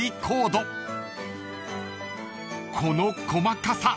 ［この細かさ！